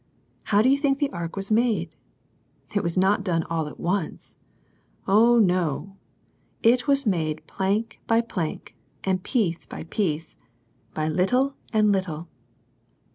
How do you think the ark was made? It was not done all at once. Oh, no! It was made plank by plank, and piece by piece, by little and little.